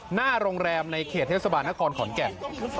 หน้าโรงแรมในเขตเทศบาลนครขอนแก่น